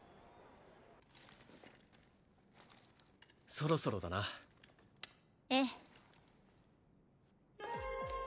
そろそろだなええ